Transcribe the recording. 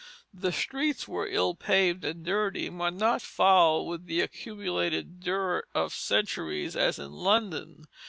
The streets were ill paved and dirty, but not foul with the accumulated dirt of centuries as in London.